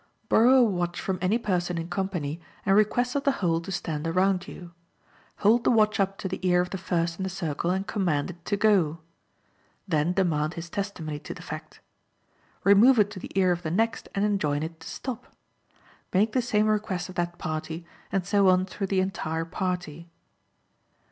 —Borrow a watch from any person in company and request of the whole to stand around you. Hold the watch up to the ear of the first in the circle and command it to go. Then demand his testimony to the fact. Remove it to the ear of the next, and enjoin it to stop. Make the same request of that party, and so on through the entire party.